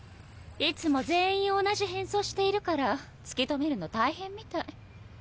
いつも全員同じ変装しているから突き止めるの大変みたい。